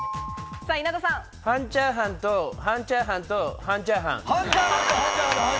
半チャーハンと半チャーハンと半チャーハン。